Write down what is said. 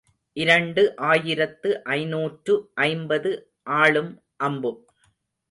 இரண்டு ஆயிரத்து ஐநூற்று ஐம்பது ஆளும் அம்பும்.